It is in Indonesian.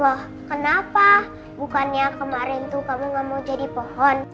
loh kenapa bukannya kemarin tuh kamu gak mau jadi pohon